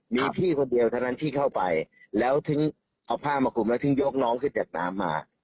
มีพี่คนเดียวเท่านั้นที่เข้าไปแล้วถึงเอาผ้ามากลุ่มแล้วถึงยกน้องขึ้นจากน้ำมา